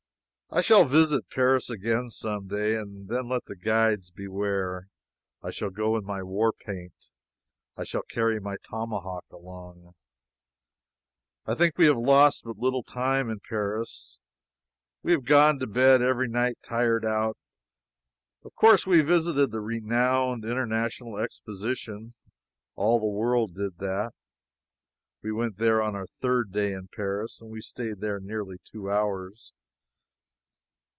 I shall visit Paris again someday, and then let the guides beware! I shall go in my war paint I shall carry my tomahawk along. I think we have lost but little time in Paris. We have gone to bed every night tired out. Of course we visited the renowned International Exposition. All the world did that. We went there on our third day in Paris and we stayed there nearly two hours.